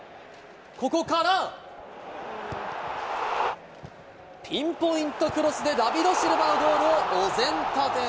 ここから、ピンポイントクロスで、ダビド・シルバのゴールをお膳立て。